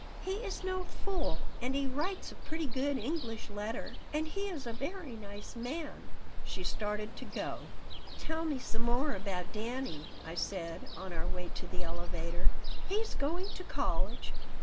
"He is no fool and he writes a pretty good English letter. And he is a very nice man." She started to go "Tell me some more about Dannie," I said, on our way to the elevator "He's going to college.